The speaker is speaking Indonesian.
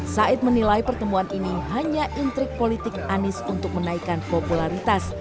said menilai pertemuan ini hanya intrik politik anies untuk menaikkan popularitas